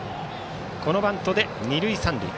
このバントで二塁三塁。